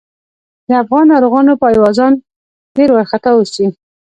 د افغان ناروغانو پايوازان ډېر وارخطا اوسي.